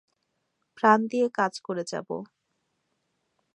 প্রাণ দিয়ে কাজ করে যাব।